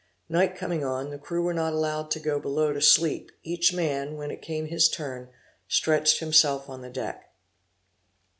Night coming on, the crew were not allowed to go below to sleep; each man, when it came to his turn, stretched himself on the deck.